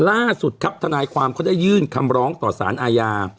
ล่าสุดครับทนายความเขาได้ยื่นคำร้องต่อสารอาญา